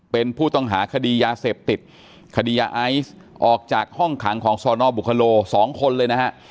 เป็นผู้ต้องหาคดียาเสพติดคดียาไอซ์ออกจากห้องขังของสนบุคโล๒คนเลยนะฮะ